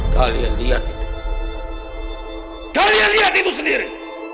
kalian lihat itu kalian lihat ibu sendiri